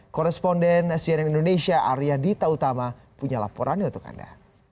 koresponden cnn indonesia arya dita utama punya laporannya untuk anda